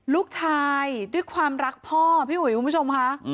ลูกชายด้วยความรักพ่อพี่ห่วยคุณผู้ชมค่ะ